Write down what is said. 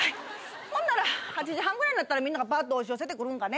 ほんなら８時半ぐらいになったらみんながバッと押し寄せてくるんかね。